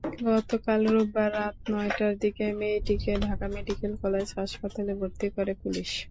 গতকাল রোববার রাত নয়টার দিকে মেয়েটিকে ঢাকা মেডিকেল কলেজ হাসপাতালে ভর্তি করে পুলিশ।